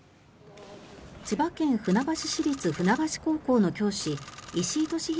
千葉県船橋市立船橋高校の教師石井利広